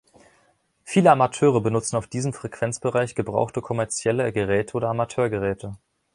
Viele Amateure benutzen auf diesem Frequenzbereich gebrauchte kommerzielle Geräte oder Amateurgeräte.